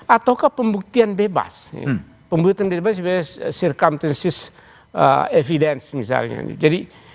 ataukah pembuktian bebas pembuktian bebas circumptersys evidence misalnya jadi